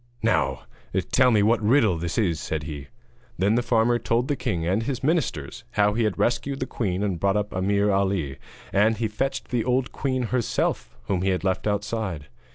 'Now tell me what riddle this is,' said he. Then the farmer told the king and his ministers how he had rescued the queen and brought up Ameer Ali; and he fetched the old queen herself, whom he had left outside.